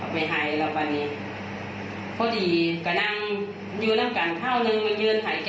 เจ๊แดงก็ว่าเจ๊แดงไม่กิน